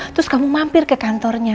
terus kamu mampir ke kantornya